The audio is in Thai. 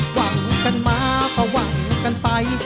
หวังกันมาก็หวังกันไป